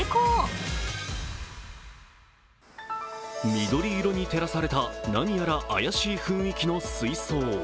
緑色に照らされた何やら怪しい雰囲気の水槽。